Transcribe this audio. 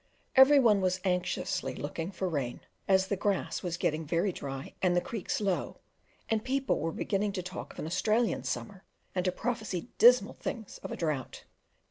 Every one was anxiously looking for rain, as the grass was getting very dry and the creeks low, and people were beginning to talk of an Australian summer and to prophesy dismal things of a drought.